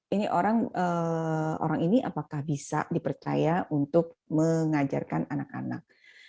yang pertama adalah orang ini apakah bisa dipercaya untuk mengajarkan anak anak